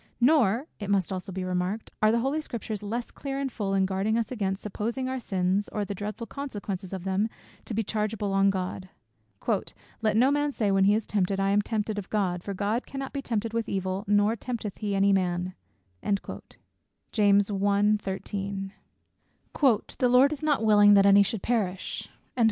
Nor (it must also be remarked) are the holy Scriptures less clear and full in guarding us against supposing our sins, or the dreadful consequences of them, to be chargeable on God. "Let no man say when he is tempted, I am tempted of God: for God cannot be tempted with evil, neither tempteth he any man:" "The Lord is not willing that any should perish."